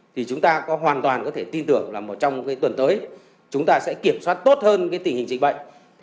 thì chúng ta có hoàn toàn có thể tin tưởng là trong tuần tới chúng ta sẽ kiểm soát tốt hơn tình hình dịch bệnh